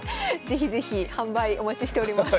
是非是非販売お待ちしております。